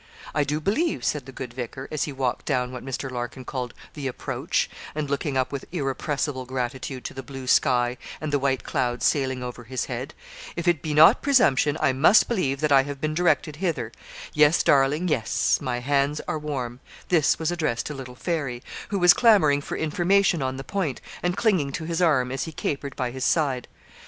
'I do believe,' said the good vicar, as he walked down what Mr. Larkin called 'the approach,' and looking up with irrepressible gratitude to the blue sky and the white clouds sailing over his head, 'if it be not presumption, I must believe that I have been directed hither yes, darling, yes, my hands are warm' (this was addressed to little Fairy, who was clamouring for information on the point, and clinging to his arm as he capered by his side).